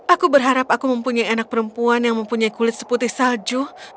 aku berharap aku mempunyai anak perempuan yang mempunyai kulit seputih salju